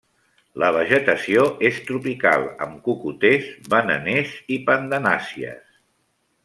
La vegetació és tropical amb cocoters, bananers i pandanàcies.